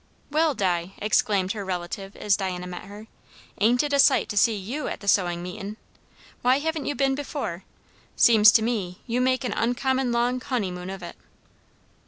"Well, Di!" exclaimed her relative as Diana met her. "Ain't it a sight to see you at the sewin' meetin'! Why haven't you been before? Seems to me, you make an uncommon long honeymoon of it."